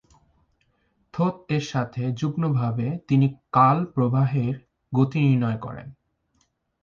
থোথ-এর সাথে যুগ্মভাবে তিনি কাল প্রবাহের গতি নির্ণয় করেন।